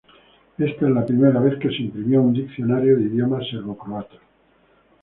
Esta es la primera vez que se imprimió un diccionario de idioma serbocroata.